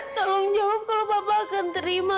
tolong jawab kalau bapak akan terima